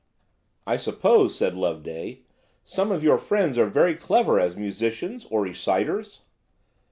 "I suppose," said Loveday, "some of your friends are very clever as musicians or reciters?"